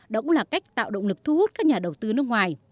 đó cũng là cách tạo động lực thu hút các nhà đầu tư nước ngoài